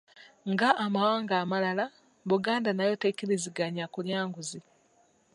Ng’amawanga amalala, Buganda nayo tekkiriziganya kulya nguzi.